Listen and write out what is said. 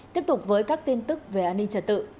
tiếp tục với các tin tức về an ninh trật tự